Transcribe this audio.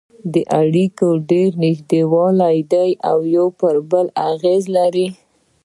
دا اړیکې ډېرې نږدې دي او پر یو بل اغېز لري